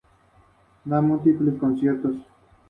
Comienza interpretando covers en bares de Santiago y Valparaíso.